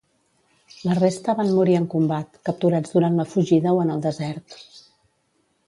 La resta van morir en combat, capturats durant la fugida o en el desert.